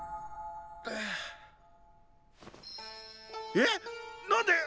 えっ何で！？